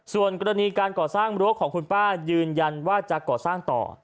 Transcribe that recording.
ส่วนกรณีการก่อสร้างรั้วของคุณป้ายืนยันว่าจะก่อสร้างต่อ